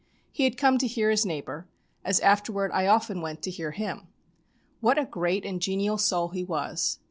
He had come to hear his neighbour, as afterward I often went to hear him. What a great and genial soul he was!